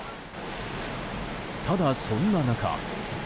ただ、そんな中。